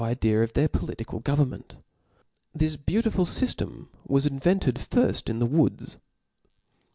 «37 idea of their political government. This beautiful Book fyftcm was invented firft in the woods.